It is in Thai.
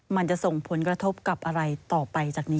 มันจะส่งผลกระทบกับอะไรต่อไปจากนี้